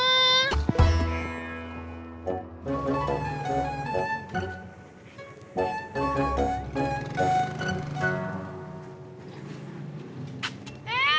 eh mbak be